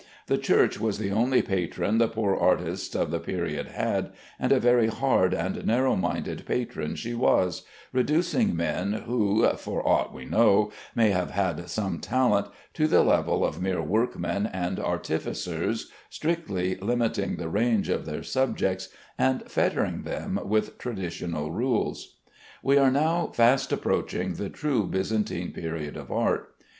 The Church was the only patron the poor artists of the period had, and a very hard and narrow minded patron she was, reducing men who (for aught we know) may have had some talent, to the level of mere workmen and artificers, strictly limiting the range of their subjects and fettering them with traditional rules. We are now fast approaching the true Byzantine period of art.